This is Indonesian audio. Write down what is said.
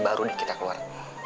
baru kita keluar